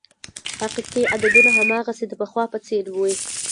حقیقي عددونه هماغسې د پخوا په څېر وې.